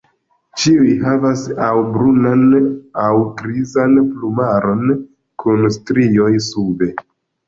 Ĉiuj havas aŭ brunan aŭ grizan plumaron kun strioj sube.